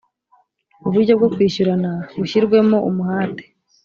uburyo bwo kwishyurana bushyirwemo umuhate